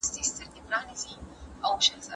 یوه کیلو زعفران زرګونه ګلونه غواړي.